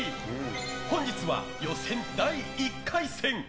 本日は予選第１回戦。